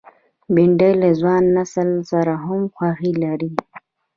بېنډۍ له ځوان نسل سره هم خوښي لري